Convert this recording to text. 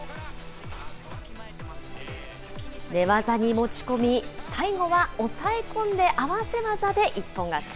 寝技に持ち込み、最後は押さえ込んで合わせ技で一本勝ち。